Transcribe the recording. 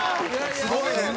すごいね。